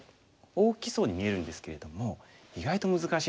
大きそうに見えるんですけれども意外と難しいんですよね。